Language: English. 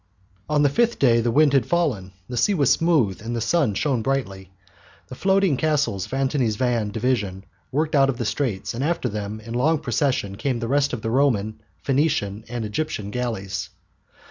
On the fifth day the wind had fallen, the sea was smooth and the sun shone brightly. The floating castles of Antony's van division worked out of the straits, and after them in long procession came the rest of the Roman, Phoenician, and Egyptian galleys.